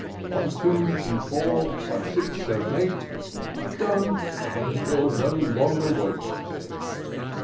One, two, three, four, five, six, seven, eight. I've done, and will no longer wait.'